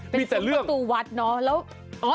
เป็นสูงประตูวัดเนาะ